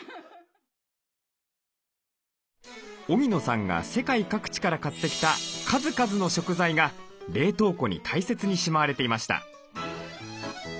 荻野さんが世界各地から買ってきた数々の食材が冷凍庫に大切にしまわれていました。